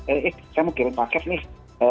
eh eh saya mau kirim paket nih